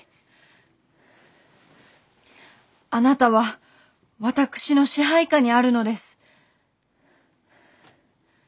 あなたは私の支配下にあるのです。